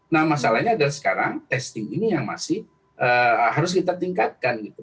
nah masalahnya adalah sekarang testing ini yang masih harus kita tingkatkan gitu